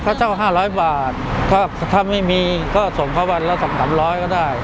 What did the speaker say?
ถ้าเช่าห้าร้อยบาทถ้าไม่มีก็ส่งเขามาแล้วส่งสามร้อยก็ได้